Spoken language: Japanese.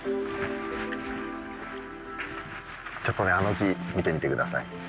ちょっとねあの木見てみて下さい。